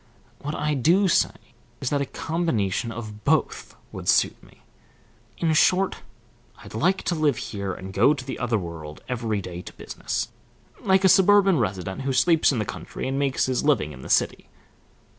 What I do say is that a combination of both would suit me. In short, I'd like to live here and go to the other world every day to business, like a suburban resident who sleeps in the country and makes his living in the city.